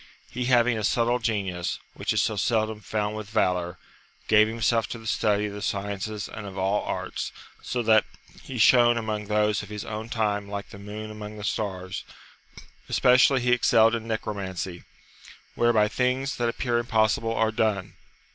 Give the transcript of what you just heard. He having a subtle genius, which is so seldom found with valour, gave himself to the study of the sciences and of all arts, so that he shone among those of his own time like the moon among the stars ; especially he excelled in necromancy, whereby things that appear impossible are done.